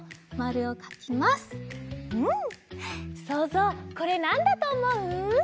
そうぞうこれなんだとおもう？